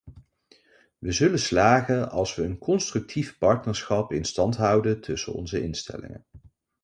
We zullen slagen als we een constructief partnerschap in stand houden tussen onze instellingen.